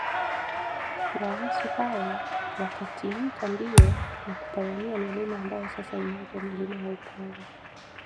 Waasu hawa wakatimka mbio na kuparamia milima ambayo sasa inaitwa milima ya Upare